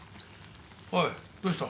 おいどうした？